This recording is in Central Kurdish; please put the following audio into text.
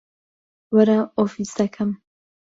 وەرە ئۆفیسەکەم.